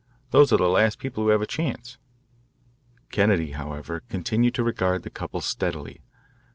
Those are the last people who have a chance." Kennedy, however, continued to regard the couple steadily.